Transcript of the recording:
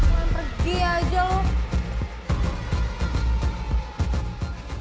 jangan pergi aja loh